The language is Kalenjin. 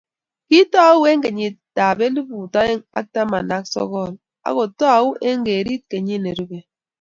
kiitou eng' kenyitab elput oeng' ak taman aksokol akutou ku ang'erit kenyit nerubei